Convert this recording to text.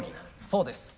そうです。